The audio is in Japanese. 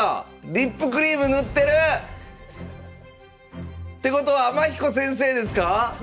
リップクリーム塗ってる！ってことは天彦先生ですか⁉そうです。